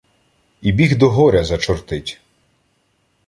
І біг до горя зачортить.